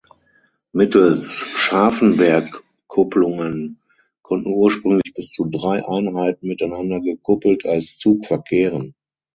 Mittels Scharfenbergkupplungen konnten ursprünglich bis zu drei Einheiten miteinander gekuppelt als Zug verkehren.